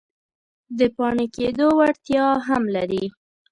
د پاڼې کیدو وړتیا هم لري.